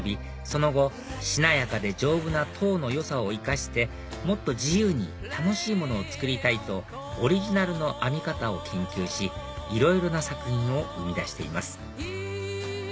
その後しなやかで丈夫な籐の良さを生かしてもっと自由に楽しいものを作りたいとオリジナルの編み方を研究しいろいろな作品を生み出しています